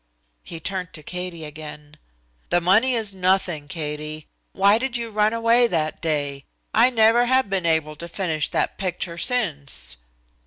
He turned to Katie again. "The money is nothing, Katie. Why did you run away that day? I never have been able to finish that picture since."